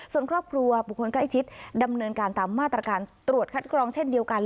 ส่วนครอบครัวบุคคลใกล้ชิดดำเนินการตามมาตรการตรวจคัดกรองเช่นเดียวกัน